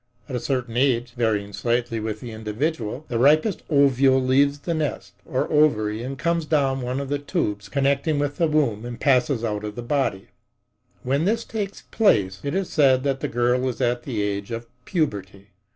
At a certain age, varying slightly with the individual, the ripest ovule leaves the nest or ovary and comes down one of the tubes connecting with the womb and passes out of the body. When this takes place, it is said that the girl is at the age of puberty.